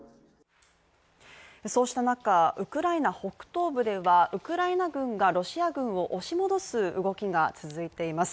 そうした中、ウクライナ北東部では、ウクライナ軍がロシア軍を押し戻す動きが続いています。